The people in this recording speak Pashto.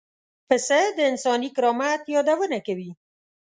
پسه د انساني کرامت یادونه کوي.